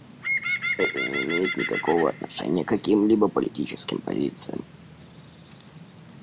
Это не имеет никакого отношения к какими-либо политическим позициям.